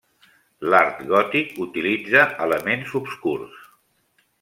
L'art gòtic utilitza elements obscurs.